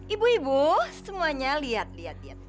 ibu ibu semuanya lihat lihat